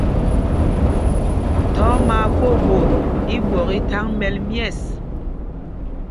Thɔɔ mí Akwooɓot i ɓwɔk i thaŋ mɛl myɛ̂ɛs.